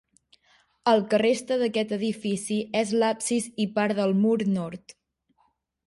El que resta d'aquest edifici és l'absis i part del mur nord.